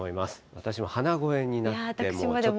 私も鼻声になって、ちょっと。